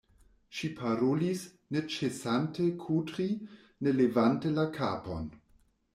Ŝi parolis, ne ĉesante kudri, ne levante la kapon.